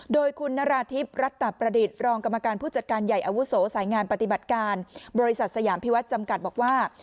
โดยคุณนราธิบรัตตะประดิษฐ์รองกรรมการผู้จัดการใหญ่อาวุโสสายงานปฏิบัติการบริษัทสยามพิวัฒน์จำกัดบอกว่า